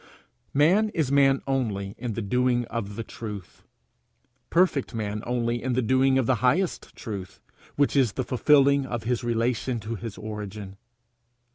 Man is man only in the doing of the truth, perfect man only in the doing of the highest truth, which is the fulfilling of his relations to his origin.